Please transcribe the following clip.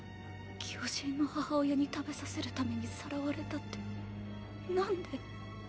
巨人の母親に食べさせるためにさらわれたって何で。